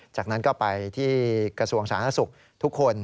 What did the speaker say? จากนั้นก็ไปที่กระทรวงสาธารณสุขทุกคน